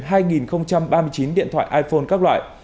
vận chuyển hai ba mươi chín điện thoại iphone các loại